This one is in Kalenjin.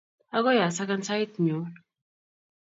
agoi asakan sait nyu.